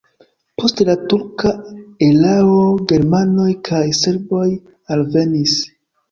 Post la turka erao germanoj kaj serboj alvenis.